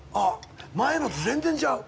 前のと全然ちゃう。